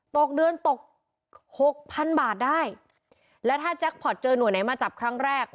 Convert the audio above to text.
ตกเดือนตกหกพันบาทได้แล้วถ้าแจ็คพอร์ตเจอหน่วยไหนมาจับครั้งแรก